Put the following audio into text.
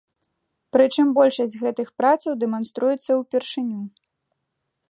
Прычым большасць гэтых працаў дэманструецца ўпершыню.